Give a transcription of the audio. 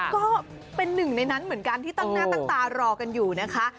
ก็เป็นหนึ่งในนั้นเหมือนกันที่ตั้งหน้าตั้งตารอกันอยู่นะคะ